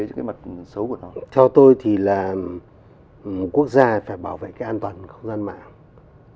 theo tôi thì là quốc gia phải bảo vệ an toàn không gian mạng